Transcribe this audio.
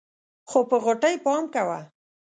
خو په غوټۍ پام کوه.